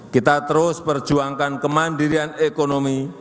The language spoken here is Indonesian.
kita terus perjuangkan kemandirian ekonomi